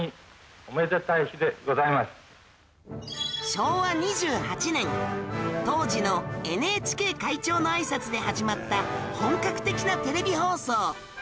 昭和２８年当時の ＮＨＫ 会長のあいさつで始まった本格的なテレビ放送